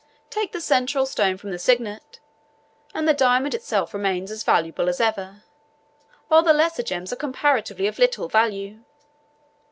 Take the central stone from the signet, and the diamond itself remains as valuable as ever, while the lesser gems are comparatively of little value.